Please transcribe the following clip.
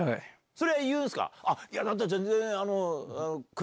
それは言うんですか？